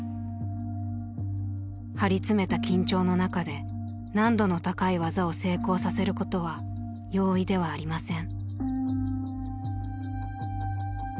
張り詰めた緊張の中で難度の高い技を成功させることは容易ではありません。